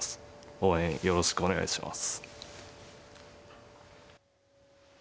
応援よろしくお願いします。